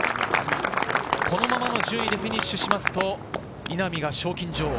このままの順位でフィニッシュすると、稲見が賞金女王。